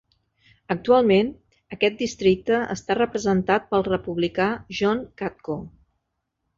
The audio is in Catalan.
Actualment, aquest districte està representat pel republicà John Katko.